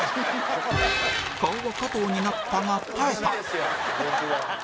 顔は加藤になったが耐えた